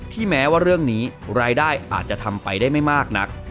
แม้ว่าเรื่องนี้รายได้อาจจะทำไปได้ไม่มากนัก